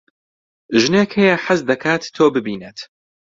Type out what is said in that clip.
ژنێک هەیە حەز دەکات تۆ ببینێت.